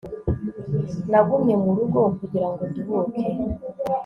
Nagumye mu rugo kugira ngo nduhuke